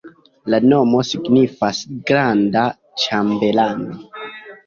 La nomo signifas granda-ĉambelano.